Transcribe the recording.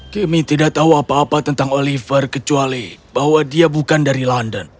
kami tidak tahu apa apa tentang oliver kecuali bahwa dia bukan dari london